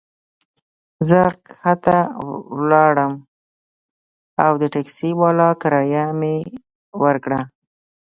زه کښته ولاړم او د ټکسي والا کرایه مي ورکړه.